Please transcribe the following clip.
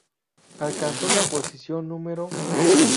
Alcanzó la posición Nro.